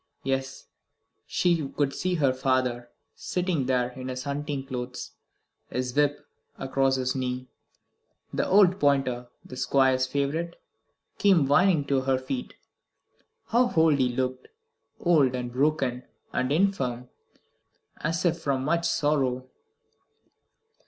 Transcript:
Yes, she could see her father sitting there in his hunting clothes, his whip across his knee. The old pointer, the Squire's favourite, came whining to her feet. How old he looked! Old, and broken, and infirm, as if from much sorrow.